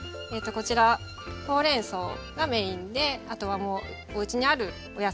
こちらほうれんそうがメインであとはもうおうちにあるお野菜。